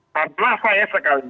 padahal saya sekali lagi